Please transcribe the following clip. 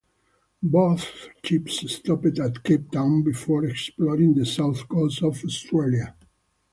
Both ships stopped at Cape Town before exploring the south coast of Australia.